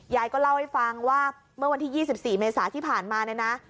ยายก็เล่าให้ฟังว่าเมื่อวันที่๒๔เมษาที่ผ่านมาเนี่ยนะ